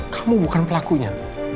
kamu bukan pelakunya